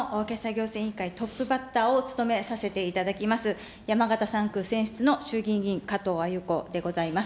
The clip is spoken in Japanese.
行政委員会トップバッターを務めさせていただきます、山形３区選出の衆議院議員、加藤鮎子でございます。